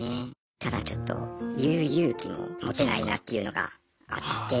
ただちょっと言う勇気も持てないなっていうのがあって。